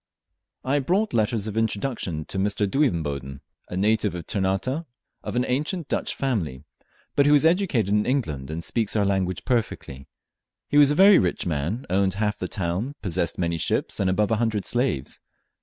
I brought letters of introduction to Mr. Duivenboden, a native of Ternate, of an ancient Dutch family, but who was educated in England, and speaks our language perfectly. He was a very rich man, owned half the town, possessed many ships, and above a hundred slaves.